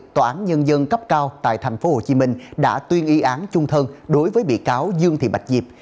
tòa án nhân dân cấp cao tại tp hcm đã tuyên y án chung thân đối với bị cáo dương thị bạch diệp